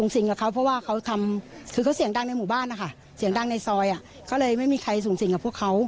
เสียงดังในซอยก็เลยไม่มีใครสูงสิ่งกับพวกเขา